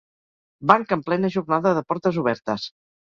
Banc en plena jornada de portes obertes.